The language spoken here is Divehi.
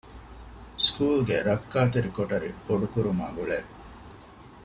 ސްކޫލުގެ ރައްކާތެރި ކޮޓަރި ބޮޑުކުރުމާއި ގުޅޭ